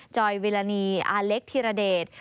จอยวิลานีอาเล็กธิรเดช